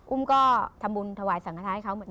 อุ้มก็ทำบุญทวายสังคมธรรมเขา